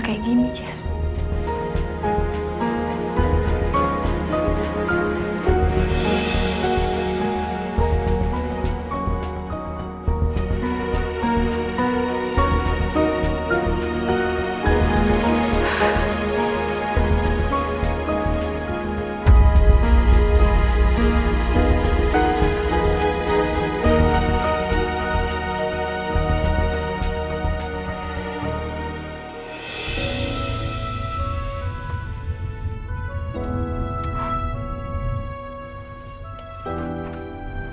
gak kayak gini jess